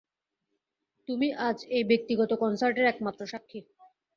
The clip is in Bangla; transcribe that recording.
তুমি আজ এই ব্যাক্তিগত কনসার্টের একমাত্র স্বাক্ষী।